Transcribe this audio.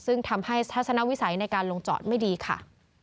ซึ่งทำให้ทัศนวิสัยในการลงจอดไม่ดีค่ะ